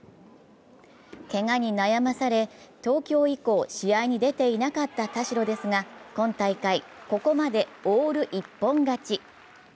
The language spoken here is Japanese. けがに悩まされ、東京以降試合に出ていなかった田代ですが、今大会、ここまでオール一本勝ち。